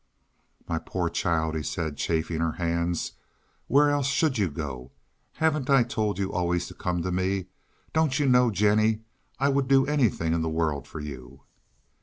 "My poor child!" he said, chafing her hands. "Where else should you go? Haven't I told you always to come to me? Don't you know, Jennie, I would do anything in the world for you?"